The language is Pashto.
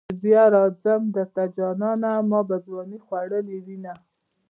چې بیا راځم درته جانانه ما به ځوانی خوړلې وینه.